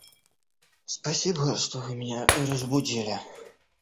Спасибо, что вы меня разбудили...